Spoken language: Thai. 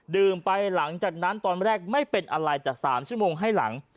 ไปหลังจากนั้นตอนแรกไม่เป็นอะไรแต่๓ชั่วโมงให้หลัง